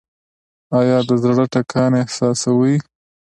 ایا د زړه ټکان احساسوئ؟